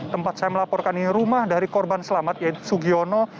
tempat saya melaporkan ini rumah dari korban selamat yaitu sugiono